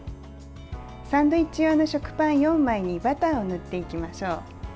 サンドイッチ用の食パン４枚にバターを塗っていきましょう。